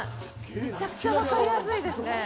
めちゃくちゃ分かりやすいですね。